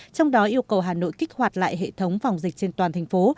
trong đó yêu cầu hà nội kích hoạt lại hệ thống phòng dịch trên toàn thành phố